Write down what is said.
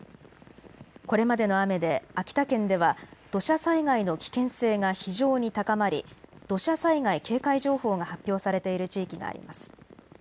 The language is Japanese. これまでの雨で秋田県では土砂災害の危険性が非常に高まり土砂災害警戒情報が発表されている地域があります。